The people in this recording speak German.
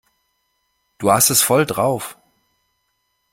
Du hast es voll drauf.